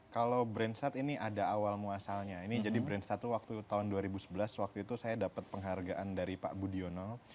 kalau brainstart ini ada awal muasalnya ini jadi brainstart itu waktu tahun dua ribu sebelas waktu itu saya dapat penghargaan dari pak budiono